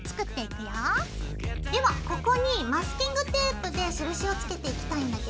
ではここにマスキングテープで印をつけていきたいんだけど。